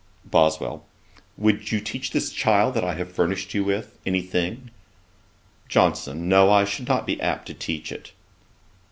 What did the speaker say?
BOSWELL. 'Would you teach this child that I have furnished you with, any thing?' JOHNSON. 'No, I should not be apt to teach it.'